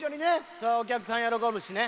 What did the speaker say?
それお客さん喜ぶしね。